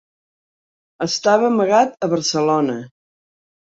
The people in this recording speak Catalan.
Estava amagat a Barcelona.